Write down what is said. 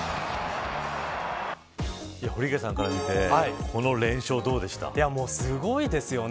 堀池さんから見てすごいですよね。